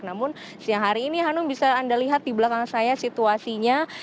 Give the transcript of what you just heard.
namun siang hari ini hanum bisa anda lihat di belakang saya situasinya